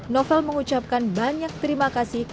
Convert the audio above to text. novel mengucapkan banyak terima kasih